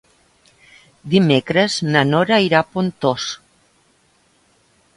Dimecres na Nora irà a Pontós.